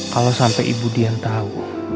kalau sampai ibu dian tahu